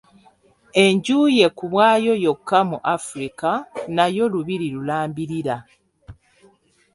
Enju ye ku bwayo yokka mu Africa nayo lubiri lulambirira.